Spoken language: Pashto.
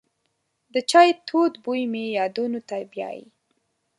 د چای تود بوی مې یادونو ته بیایي.